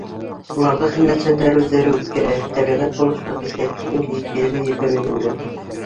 Уларҙы хеҙмәтсәндәр үҙҙәре үткәрә, тәбиғәт булышлыҡ итә, сөнки икеһе лә Ергә бәйләнгән.